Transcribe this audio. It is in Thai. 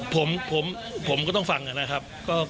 ผมก็ต้องฟังนะครับ